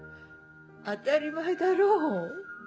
当たり前だろ。